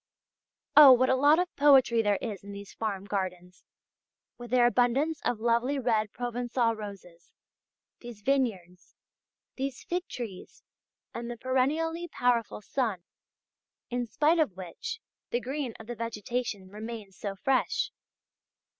Oh! what a lot of poetry there is in these farm gardens, with their abundance of lovely red Provençal roses, these vineyards, these fig trees, and the perennially powerful sun, in spite of which the green of the vegetation remains so fresh!